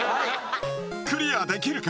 クリアできるか？